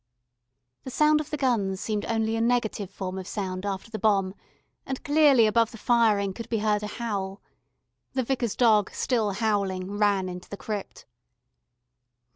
The sound of the guns seemed only a negative form of sound after the bomb, and clearly above the firing could be heard a howl. The Vicar's dog, still howling, ran into the crypt.